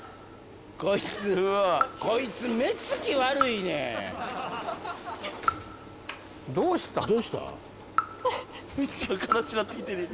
こいつこいつ目つき悪いねんどうしたん？